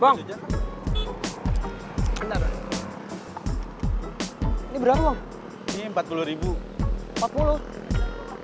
ber catinya lagi permane bisa ngemukain dragon quest maybe untuk buy in